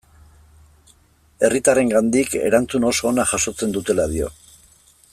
Herritarrengandik erantzun oso ona jasotzen dutela dio.